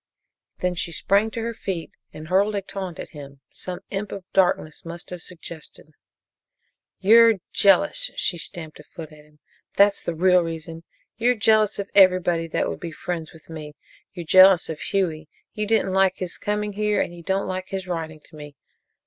Then she sprang to her feet and hurled a taunt at him some Imp of Darkness must have suggested: "You're jealous!" She stamped a foot at him. "That's the real reason. You're jealous of everybody that would be friends with me! You're jealous of Hughie. You didn't like his coming here and you don't like his writing to me!